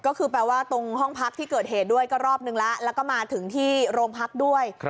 ก็คือแปลว่าตรงห้องพักที่เกิดเหตุด้วยก็รอบนึงแล้วแล้วก็มาถึงที่โรงพักด้วย